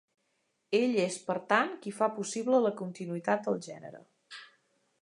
Ell és, per tant, qui fa possible la continuïtat del gènere.